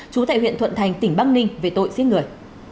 chú tại huyện thuận thành tỉnh bắc ninh về tội giết người